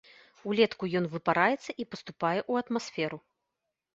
Улетку ён выпараецца і паступае ў атмасферу.